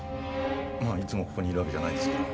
まあいつもここにいるわけじゃないですけど。